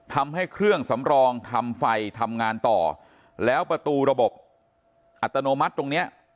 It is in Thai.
ทำให้เครื่องสำรองทำไฟทำงานต่อแล้วประตูระบบอัตโนมัติตรงเนี้ย